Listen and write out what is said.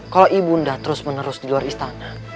kalau ibu nda terus menerus di luar istana